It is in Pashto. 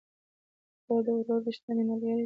خور د ورور ريښتينې ملګرې ده